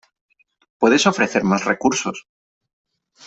Puedes ofrecer más recursos.